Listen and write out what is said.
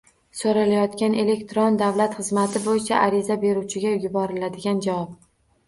So‘ralayotgan elektron davlat xizmati bo‘yicha ariza beruvchiga yuboriladigan javob